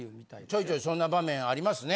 ちょいちょいそんな場面ありますね。